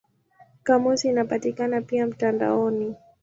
Kamusi inapatikana pia mtandaoni.